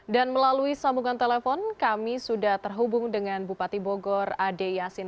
dan melalui sambungan telepon kami sudah terhubung dengan bupati bogor ade yasin